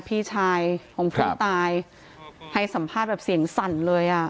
โอ้พี่ชายผมถูกตายให้สัมภาษณ์เสียงสั่นเลย